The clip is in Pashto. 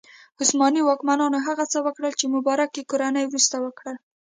عثماني واکمنانو هغه څه وکړل چې مبارک کورنۍ وروسته وکړل.